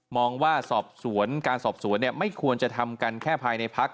มองว่าสอบสวนการสอบสวนไม่ควรจะทำกันแค่ภายในพัก